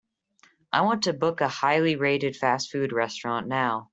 I want to book a highly rated fast food restaurant now.